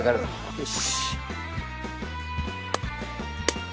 よし。